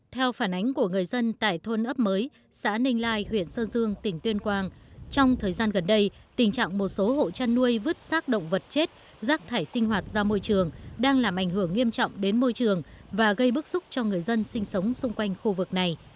theo phản ánh của người dân tại thôn ấp mới xã ninh lai huyện sơn dương tỉnh tuyên quang trong thời gian gần đây tình trạng một số hộ chăn nuôi vứt sát động vật chết rác thải sinh hoạt ra môi trường đang làm ảnh hưởng nghiêm trọng đến môi trường và gây bức xúc cho người dân sinh sống xung quanh khu vực này